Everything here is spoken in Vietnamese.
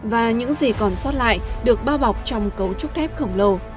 và những gì còn sót lại được bao bọc trong cấu trúc thép khổng lồ